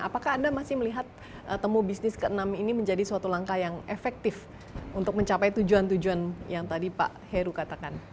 apakah anda masih melihat temu bisnis ke enam ini menjadi suatu langkah yang efektif untuk mencapai tujuan tujuan yang tadi pak heru katakan